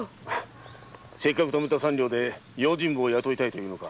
せっかく貯めた三両で用心棒を雇いたいのか？